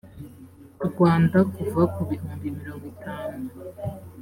rwanda kuva ku bihumbi mirongo itanu